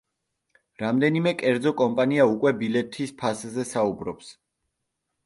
რამდენიმე კერძო კომპანია უკვე ბილეთის ფასზე საუბრობს.